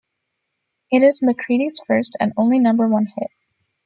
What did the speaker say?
It is McCready's first and only Number One hit.